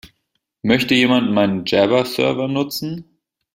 Möchte jemand meinen Jabber-Server nutzen?